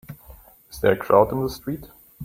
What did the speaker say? Is there a crowd in the street?